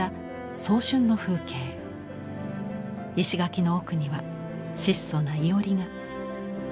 石垣の奥には質素な庵が。